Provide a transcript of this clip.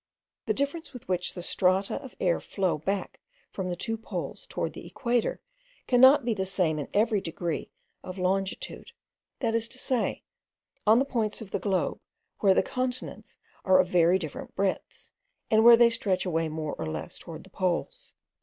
The difference with which the strata of air flow back from the two poles towards the equator cannot be the same in every degree of longitude, that is to say, on points of the globe where the continents are of very different breadths, and where they stretch away more or less towards the poles.